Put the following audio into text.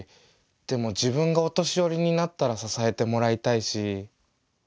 でも自分がお年寄りになったら支えてもらいたいし。